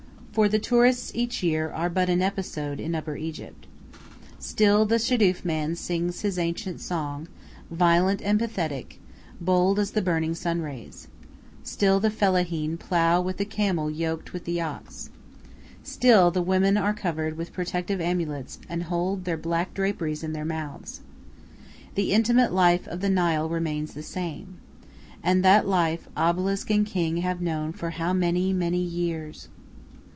For the tourists each year are but an episode in Upper Egypt. Still the shadoof man sings his ancient song, violent and pathetic, bold as the burning sun rays. Still the fellaheen plough with the camel yoked with the ox. Still the women are covered with protective amulets and hold their black draperies in their mouths. The intimate life of the Nile remains the same. And that life obelisk and king have known for how many, many years!